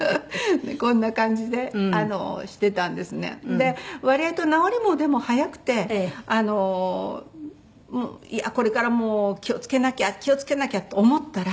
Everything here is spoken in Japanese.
で割合と治りもでも早くてこれからもう気を付けなきゃ気を付けなきゃと思ったら。